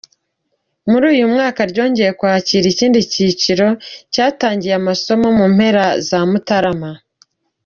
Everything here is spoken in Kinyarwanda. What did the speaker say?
Muri uyu mwaka ryongeye kwakira ikindi cyiciro cyatangiye amasomo mu mpera za Mutarama.